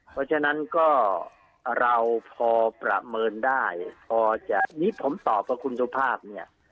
เพราะฉะนั้นก็เราพอประเมินได้พอจะนี่ผมตอบว่าคุณสุภาพเนี่ย